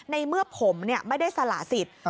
ในเมื่อผมไม่ได้สละสิทธิ์